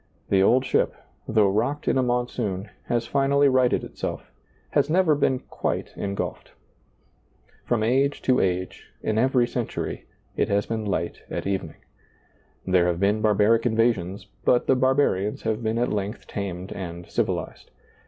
The old ship, though rocked in a monsoon, has finally righted itself, has never been quite engulfed. From age to age, in every century, it has been light at evening. There have been barbaric invasions, but the barbarians have been at length tamed and civilized.